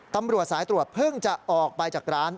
ตำรวจสายตรวจเพิ่งจะออกไปจากร้าน